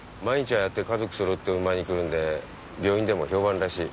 やって家族揃ってお見舞いに来るんで病院でも評判らしい。